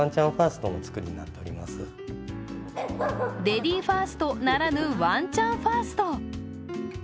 レディーファーストならぬワンちゃんファースト。